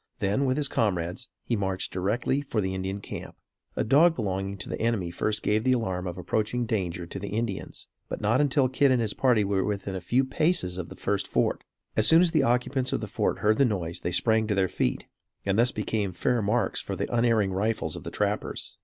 Then, with his comrades, he marched directly for the Indian camp. A dog belonging to the enemy first gave the alarm of approaching danger to the Indians; but not until Kit and his party were within a few paces of the first fort. As soon as the occupants of the fort heard the noise they sprang to their feet, and thus became fair marks for the unerring rifles of the trappers.